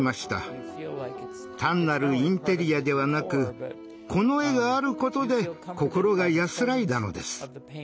単なるインテリアではなくこの絵があることで心が安らいだのです。